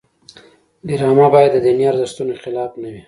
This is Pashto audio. ډرامه باید د دیني ارزښتونو خلاف نه وي